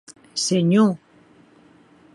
Senhor!